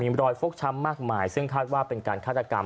มีรอยฟกช้ำมากมายซึ่งคาดว่าเป็นการฆาตกรรม